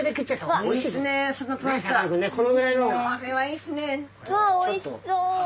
わあおいしそう！